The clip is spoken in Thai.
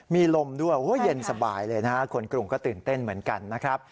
มีลมด้วยเย็นสบายเลยคนกรุงก็ตื่นเต้นเหมือนกัน